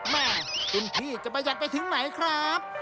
แม่คุณพี่จะประหยัดไปถึงไหนครับ